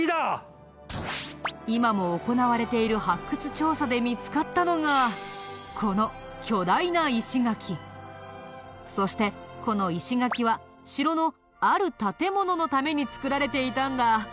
今も行われている発掘調査で見つかったのがこのそしてこの石垣は城のある建物のために造られていたんだ。